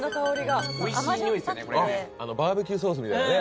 これバーベキューソースみたいなね